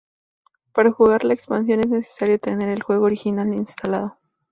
Para jugar la expansión es necesario tener el juego original instalado.